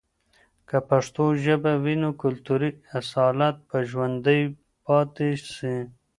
که پښتو ژبه وي، نو کلتوری اصالت به ژوندۍ پاتې سي.